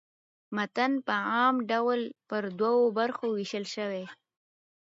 متن په عام ډول پر دوو برخو وېشل سوی.